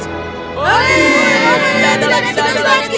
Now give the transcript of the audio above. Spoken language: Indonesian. oleh tidak ada lagi tikus lagi di kota